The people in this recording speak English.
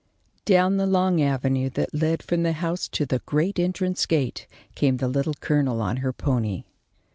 Down the long avenue that led from the house to the great entrance gate came the Little Colonel on her pony.